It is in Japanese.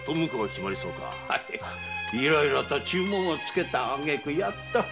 はいいろいろと注文をつけたあげくやっと。